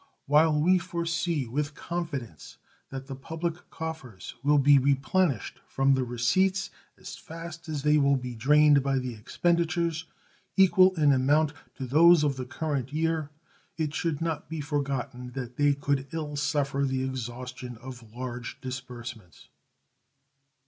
While we foresee with confidence that the public coffers will be replenished from the receipts as fast as they will be drained by the expenditures, equal in amount to those of the current year, it should not be forgotten that they could ill suffer the exhaustion of larger disbursements.